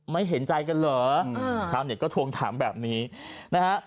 เห็นใจกันเหรอชาวเน็ตก็ทวงถามแบบนี้นะฮะ